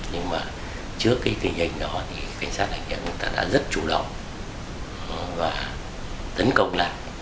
nhưng mà trước cái tình hình đó thì cảnh sát đặc nhiệm ta đã rất chủ động và tấn công lại